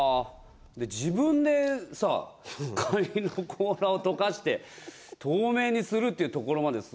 自分でさカニの甲羅を溶かして透明にするっていうところまですんのすごいよね。